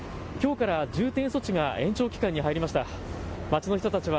きょうから重点措置が延長期間に入りました。